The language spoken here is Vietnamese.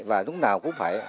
và lúc nào cũng phải truyền dạy